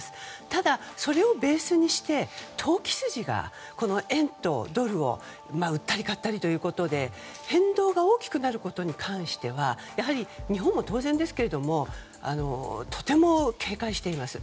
ただ、それをベースにして投機筋が円とドルを売ったり買ったりということで変動が大きくなることに関してはやはり日本は当然ですけれどもとても警戒しています。